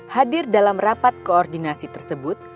hadir dalam rapat koordinasi tersebut